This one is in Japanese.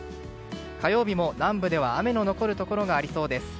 火曜日も南部では雨の残るところがありそうです。